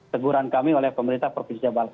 teguran kami oleh pemerintah provinsi jawa barat